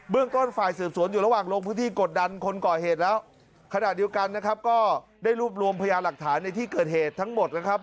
เรื่องต้นฝ่ายสืบสวนอยู่ระหว่างลงพื้นที่กดดันคนก่อเหตุแล้วขณะเดียวกันนะครับก็ได้รวบรวมพยาหลักฐานในที่เกิดเหตุทั้งหมดนะครับ